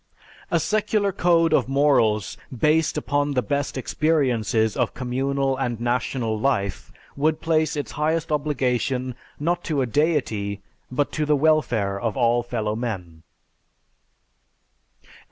A secular code of morals based upon the best experiences of communal and national life would place its highest obligation not to a deity but to the welfare of all fellowmen.